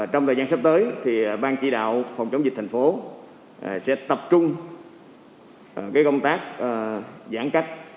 trong thời gian sắp tới thì bang chỉ đạo phòng chống dịch thành phố sẽ tập trung cái công tác giãn cách